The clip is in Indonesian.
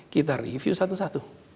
kita review satu satu